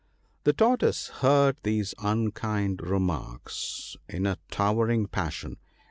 ' The Tortoise heard these unkind remarks in a towering passion.